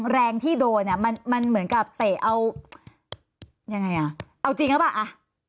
แรงที่โดนมันเหมือนกับเตะเอาเอาจริงหรือเปล่า